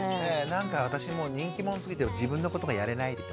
なんか私人気者すぎて自分のことがやれないって。